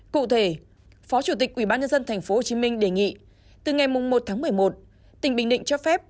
cụ thể phó chủ tịch ubnd tp hcm đề nghị từ ngày một tháng một mươi một tỉnh bình định cho phép